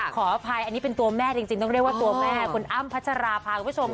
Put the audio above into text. ขออภัยอันนี้เป็นตัวแม่จริงต้องเรียกว่าตัวแม่คุณอ้ำพัชราภาคุณผู้ชมค่ะ